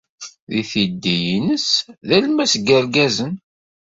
Deg tiddi-ines d alemmas n yirgazen.